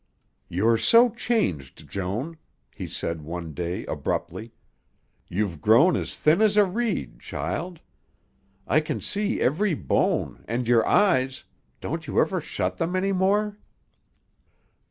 "You're so changed, Joan," he said one day abruptly. "You've grown as thin as a reed, child; I can see every bone, and your eyes don't you ever shut them any more?"